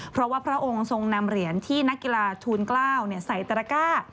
เพราะว่าพระองค์ทรงนำเหรียญที่นักกีฬาทูล๙ใส่ตระก้า